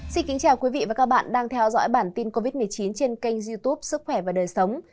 xin kính chào quý vị và các bạn đang theo dõi bản tin covid một mươi chín trên kênh youtube sức khỏe và đời sống